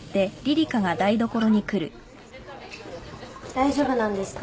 大丈夫なんですか？